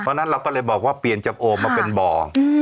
เพราะฉะนั้นเราก็เลยบอกว่าเปลี่ยนจากโอ่งมาเป็นบ่อ